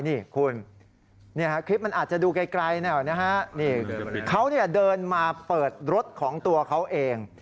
นี่คุณคลิปมันอาจจะดูไกลหน่อยนะฮะนี่เขาเดินมาเปิดรถของตัวเขาเอง